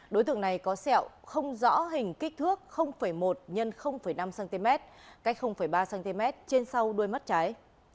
đối tượng này có sẹo không rõ hình kích thước một x năm cm cách ba cm trên sau đuôi mắt trái